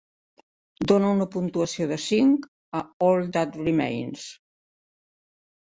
Dona una puntuació de cinc a All That Remains